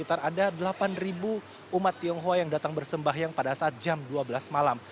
ada delapan umat tionghoa yang datang bersembahyang pada saat jam dua belas malam